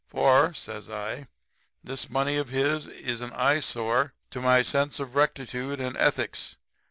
For,' says I, 'this money of his is an eyesore to my sense of rectitude and ethics.